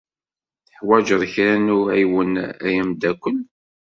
Teḥwaǧeḍ kra n uɛiwen ay amddakel?